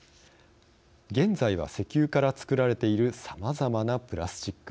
現在は石油から作られているさまざまなプラスチック。